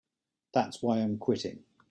That's why I'm quitting.